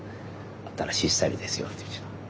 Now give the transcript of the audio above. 新しいスタイルですよってうちは。